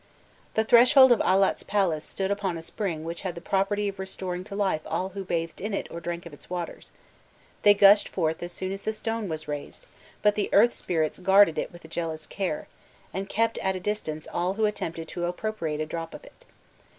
The threshold of Allat's palace stood upon a spring which had the property of restoring to life all who bathed in it or drank of its waters: they gushed forth as soon as the stone was raised, but the earth spirits guarded it with a jealous care, and kept at a distance all who attempted to appropriate a drop of it.